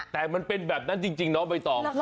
แต่มันเป็นแบบนั้นจริงน้องใบตอง